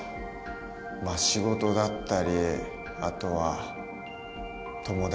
まあ仕事だったりあとは友達先輩